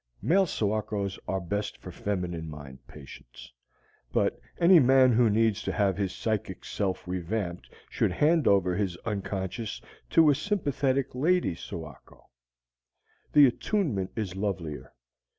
Male soakos are best for feminine mind patients; but any man who needs to have his psychic self revamped should hand over his unconscious to a sympathetic lady soako. The attunement is lovelier.